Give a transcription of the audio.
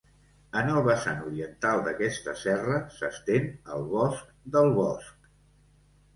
En el vessant oriental d'aquesta serra s'estén el Bosc del Bosc.